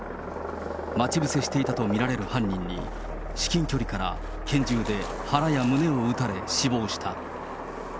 待ち伏せしていたと見られる犯人に、至近距離から拳銃で腹や胸を撃たれ死亡した。